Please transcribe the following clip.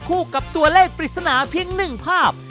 คู่กับตัวเลขปริศนาเพียง๑ภาพ